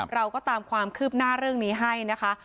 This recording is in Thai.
เราก็ตามความคืบหน้าเรื่องนี้ให้นะคะ